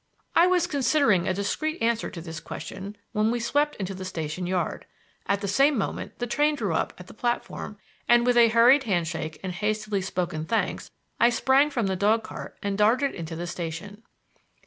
I was considering a discreet answer to this question when we swept into the station yard. At the same moment the train drew up at the platform, and, with a hurried hand shake and hastily spoken thanks, I sprang from the dog cart and darted into the station.